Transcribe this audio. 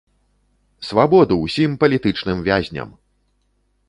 Свабоду ўсім палітычным вязням!